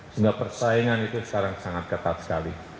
sehingga persaingan itu sekarang sangat ketat sekali